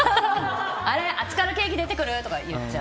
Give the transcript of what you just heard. あっちからケーキ出てくる？とか言っちゃう。